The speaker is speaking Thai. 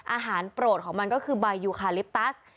อาหารโปรดของมันก็คือบายุคาลิปตัส